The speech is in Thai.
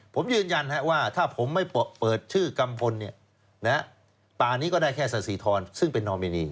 ผมยืนยันว่าถ้าผมไม่เปิดชื่อกัมพลป่านี้ก็ได้แค่สสีทรซึ่งเป็นนอมินี